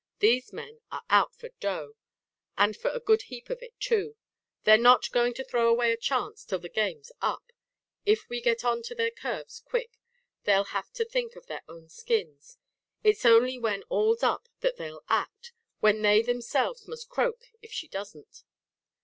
These men are out for dough; and for a good heap of it, too. They're not going to throw away a chance till the game's up. If we get on to their curves quick, they'll have to think of their own skins. It's only when all's up that they'll act; when they themselves must croak if she doesn't!"